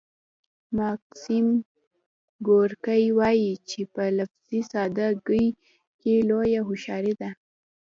ماکسیم ګورکي وايي چې په لفظي ساده ګۍ کې لویه هوښیاري ده